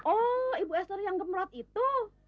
oh ibu eser yang gemrot itu